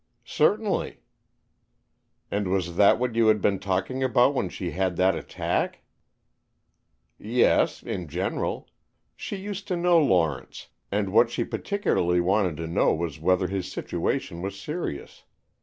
"Certainly." "And was that what you had been talking about when she had that attack?" "Yes, in general. She used to know Lawrence, and what she particularly wanted to know was whether his situation was serious.